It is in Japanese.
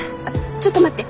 ちょっと待って！